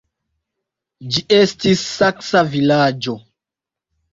Ĝi estis saksa vilaĝo.